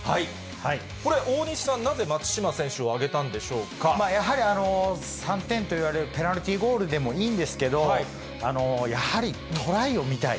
これ、大西さん、なぜ松島選手をやはり、３点といわれるペナルティーゴールでもいいんですけど、やはり、トライを見たい。